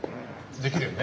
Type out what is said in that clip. できるよね？